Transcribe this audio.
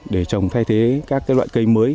để trồng thay thế các loại cây mới